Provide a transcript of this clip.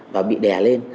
và bị đè lên